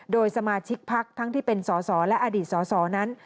โดยสมาชิกพักทั้งที่เป็นสอสอและอดีตสสนั้น